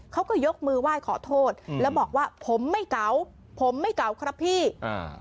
เขาก็ยกมือไหว้ขอโทษอืมแล้วบอกว่าผมไม่เก่าผมไม่เก่าครับพี่อ่า